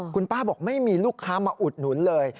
คุณป้าบอกไม่มีลูกค้ามาอุดหนุนเลย